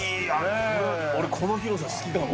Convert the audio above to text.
俺、この広さ好きかも。